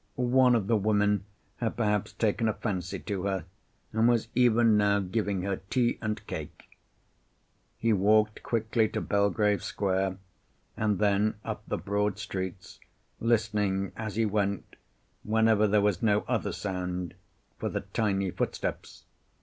One of the women had perhaps taken a fancy to her, and was even now giving her tea and cake. He walked quickly to Belgrave Square, and then up the broad streets, listening as he went, whenever there was no other sound, for the tiny footsteps.